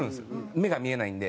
目が見えないんで。